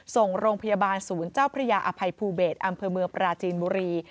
ส่งโรงพยาบาลศูนย์เจ้าพระยาอภัยภูเบศอำเภอเมืองปราจีนบุรี